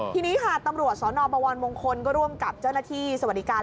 ทีนี้ค่ะตำรวจสนบวรมงคลก็ร่วมกับเจ้าหน้าที่สวัสดิการ